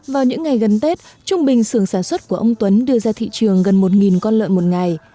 vào những ngày gần tết trung bình sưởng sản xuất của ông tuấn đưa ra thị trường gần một con lợn một ngày